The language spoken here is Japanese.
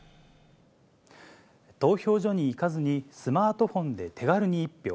投票所に行かずに、スマートフォンで手軽に１票。